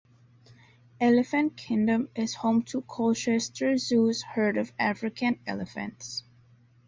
Elephant Kingdom is home to Colchester Zoo's herd of African elephants.